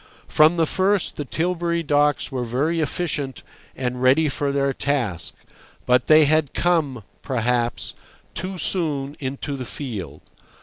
From the first the Tilbury Docks were very efficient and ready for their task, but they had come, perhaps, too soon into the field.